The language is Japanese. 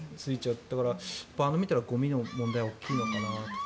あれを見たらゴミの問題は大きいのかなと。